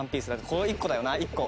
この１個だよな１個。